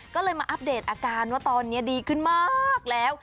ก็เลยมาอัปเดตอาการว่าตอนนี้ดีขึ้นมากแล้ว